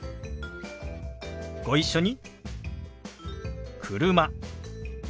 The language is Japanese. ご一緒に。